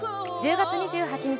１０月２８日